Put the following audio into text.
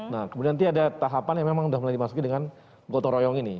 nah kemudian nanti ada tahapan yang memang sudah mulai dimasuki dengan gotong royong ini